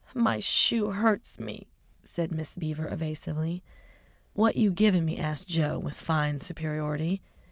"My shoe hurts me," said Miss Beaver evasively. "What you givin' me?" asked Joe, with fine superiority.